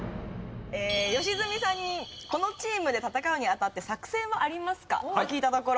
良純さんにこのチームで戦うにあたって作戦はありますか？と聞いたところ